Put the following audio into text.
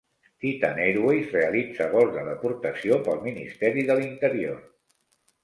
Titan Airways realitza vols de deportació pel Ministeri de l'Interior.